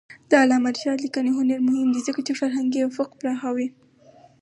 د علامه رشاد لیکنی هنر مهم دی ځکه چې فرهنګي افق پراخوي.